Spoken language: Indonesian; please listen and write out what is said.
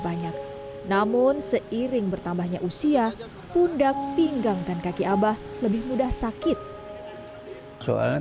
banyak namun seiring bertambahnya usia pundak pinggang dan kaki abah lebih mudah sakit soalnya